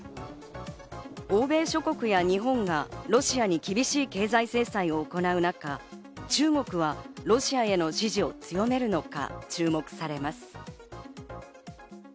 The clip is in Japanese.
欧米諸国や日本がロシアに厳しい経済制裁を行う中、中国はロシアへの支持を強めるのか、注目されます。